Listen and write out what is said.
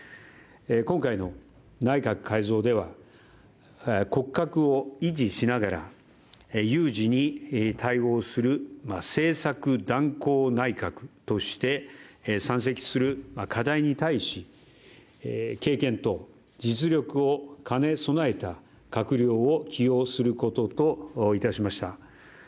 今回の内閣改造では、骨格を維持しながら、有事に対応する政策断行内閣として山積する課題に対し、経験と実力を兼ね備えた閣僚を起用することといたしました。